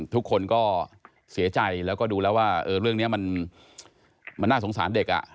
ทุกคนก็เสียใจแล้วก็ดูแล้วว่าเรื่องนี้มันน่าสงสารเด็ก